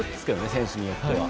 選手によっては。